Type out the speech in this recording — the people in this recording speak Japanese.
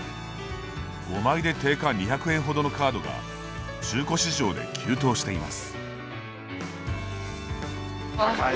５枚で定価２００円ほどのカードが中古市場で急騰しています。